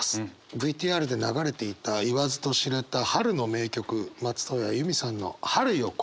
ＶＴＲで流れていた言わずと知れた春の名曲松任谷由実さんの「春よ、来い」。